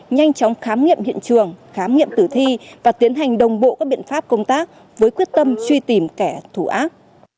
nhanh chóng khám nghiệm hiện trường khám nghiệm tử thi và tiến hành đồng bộ các biện pháp công tác với quyết tâm truy tìm kẻ thù ác